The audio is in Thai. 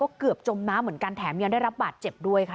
เกือบจมน้ำเหมือนกันแถมยังได้รับบาดเจ็บด้วยค่ะ